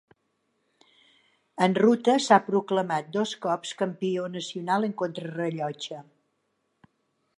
En ruta s'ha proclamat dos cops campió nacional en contrarellotge.